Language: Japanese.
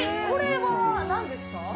これはなんですか。